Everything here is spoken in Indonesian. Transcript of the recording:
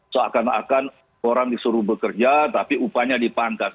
seakan akan orang disuruh bekerja tapi upahnya dipangkas